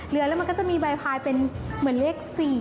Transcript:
เหลือแล้วมันก็จะมีใบพายเป็นเหมือนเลข๔